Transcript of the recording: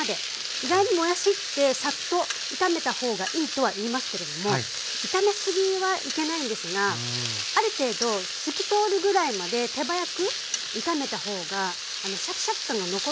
意外にもやしってサッと炒めた方がいいとはいいますけれども炒めすぎはいけないんですがある程度透き通るぐらいまで手早く炒めた方がシャキシャキ感が残ってます。